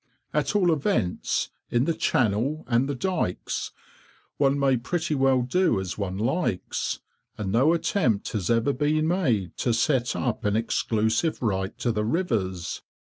At all events, in the channel and the dykes one may pretty well do as one likes, and no attempt has ever been made to set up an exclusive right to the rivers.